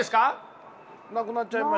なくなっちゃいましたけど。